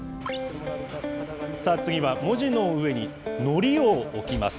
次は文字の上に、のりを置きます。